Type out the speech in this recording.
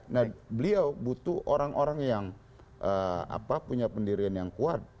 nah beliau butuh orang orang yang punya pendirian yang kuat